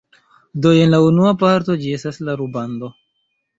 Do jen la unua parto, ĝi estas la rubando